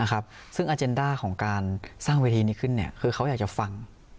ซึ่งอาเจนด้าของการสร้างเวทีนี้ขึ้นคือเขาอยากจะฟัง